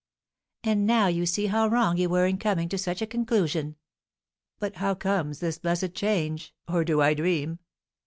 "And now you see how wrong you were in coming to such a conclusion." "But how comes this blessed change? Or do I dream?